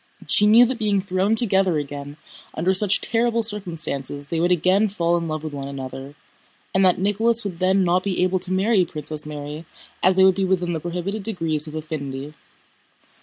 She knew that being thrown together again under such terrible circumstances they would again fall in love with one another, and that Nicholas would then not be able to marry Princess Mary as they would be within the prohibited degrees of affinity.